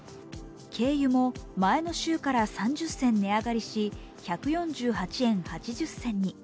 軽油も前の週から３０銭値上がりし１４８円８０銭に。